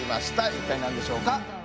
一体何でしょうか？